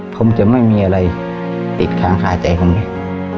ผมจะไม่มีอะไรติดค้างขาใจผมเลย